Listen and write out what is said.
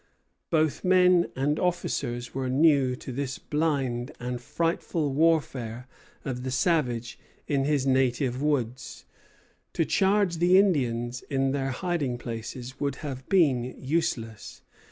Both men and officers were new to this blind and frightful warfare of the savage in his native woods. To charge the Indians in their hiding places would have been useless.